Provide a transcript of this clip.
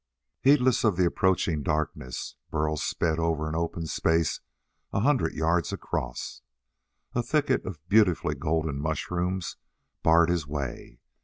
Heedless of the approaching darkness Burl sped over an open space a hundred yards across. A thicket of beautifully golden mushrooms barred his way.